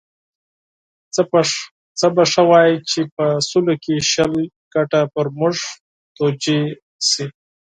څه به ښه وای چې په سلو کې شل ګټه پر موږ توجیه شي.